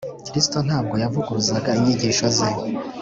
. Kristo ntabwo yavuguruzaga inyigisho ze